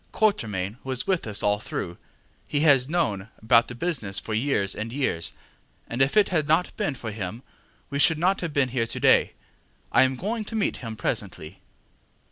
Quatermain was with us all through; he has known about the business for years and years, and if it had not been for him we should not have been here to day. I am going to meet him presently.